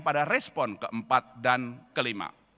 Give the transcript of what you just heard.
pada respon keempat dan kelima